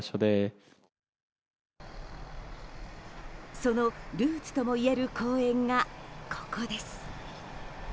そのルーツともいえる公園がここです。